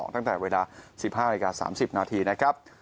ตั้งแต่เวลา๑๕นาฬิกา๓๐นาทีนะครับ